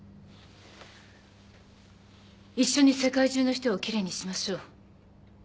一緒に世界中の人を奇麗にしましょう。